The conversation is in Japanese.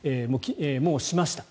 もうしました。